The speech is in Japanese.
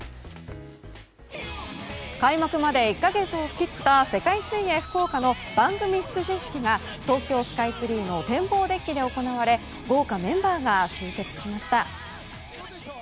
開幕まで１か月を切った世界水泳福岡の番組出陣式が東京スカイツリーの天望デッキで行われ豪華メンバーが集結しました。